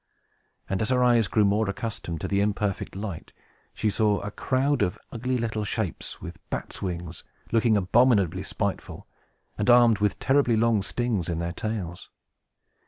And, as her eyes grew more accustomed to the imperfect light, she saw a crowd of ugly little shapes, with bats' wings, looking abominably spiteful, and armed with terribly long stings in their tails.